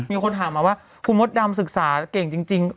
มีคนถามมาว่าคุณมดดำศึกษาเก่งจริง